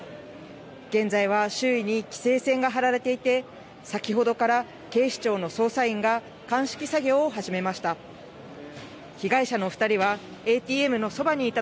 現在は周囲に規制線が張られていて先ほどから警視庁の捜査員が鑑識作業を始めました。